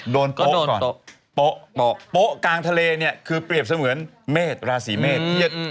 โป๊ะก่อนโป๊ะโป๊ะกลางทะเลเนี่ยคือเปรียบเสมือนเมษราศีเมษ